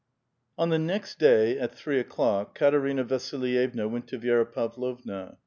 On the next day at three o'clock Katerina Vasilyevna went to Vi^ra Pavlovna.